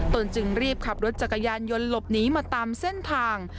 จึงรีบขับรถจักรยานยนต์หลบหนีมาตามเส้นทาง